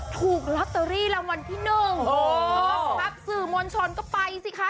ถูกลอตเตอรี่รางวัลที่หนึ่งกองทัพสื่อมวลชนก็ไปสิคะ